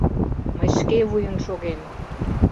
Мый шке вуйын шогем!